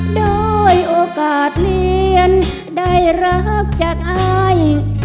ด้วยโอกาสเรียนได้รักจากอาย